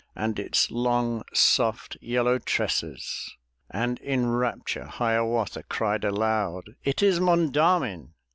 And its long, soft, yellow tresses; And in rapture Hiawatha Cried aloud, It is Monda'min!